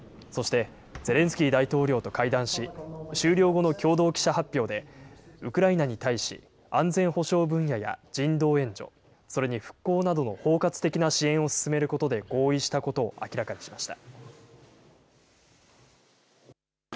そしてゼレンスキー大統領と会談し、終了後の共同記者発表で、ウクライナに対し、安全保障分野や人道援助、それに復興などの包括的な支援を進めることで合意したことを明らかにしました。